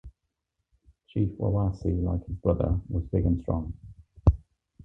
Chief Wawasee, like his brother, was big and strong.